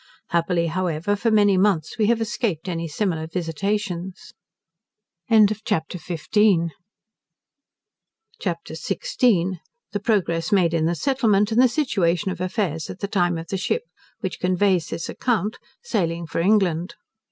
Happily, however, for many months we have escaped any similar visitations. CHAPTER XVI. The Progress made in the Settlement; and the Situation of Affairs at the Time of the Ship, which conveys this Account, sailing for England.